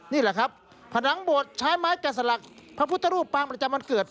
นี่แหละครับผนังโบสถใช้ไม้แกะสลักพระพุทธรูปปางประจำวันเกิด